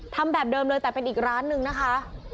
ทำแบบเดิมเลยแต่เป็นอีกร้านนึงนะคะ